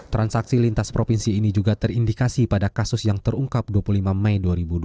transaksi lintas provinsi ini juga terindikasi pada kasus yang terungkap dua puluh lima mei dua ribu dua puluh